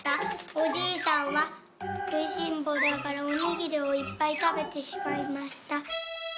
おじいさんはくいしんぼうだからおにぎりをいっぱいたべてしまいました」。